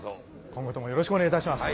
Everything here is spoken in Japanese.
・今後ともよろしくお願いいたします